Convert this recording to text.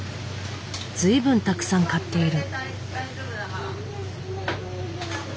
随分たくさん買っている。